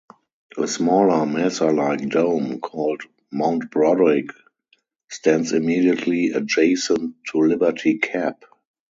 A smaller, mesa-like dome called Mount Broderick stands immediately adjacent to Liberty Cap.